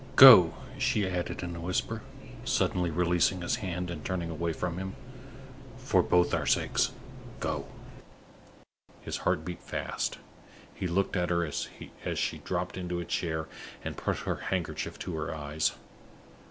Go," she added, in a whisper, suddenly releasing his hand, and turning away from him. "For both our sakes, go!" His heart beat fast; he looked at her as she dropped into a chair and put her handkerchief to her eyes.